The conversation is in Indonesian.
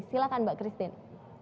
silahkan mbak christine